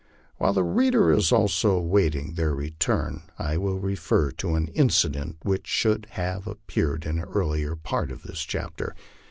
While the reader is also waiting their return, I Avill refer to an incident which should have ap peared in an earlier part of this chapter.